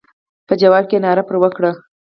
په ځواب کې ناره پر وکړه.